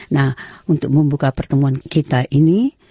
nah untuk membuka pertemuan kita ini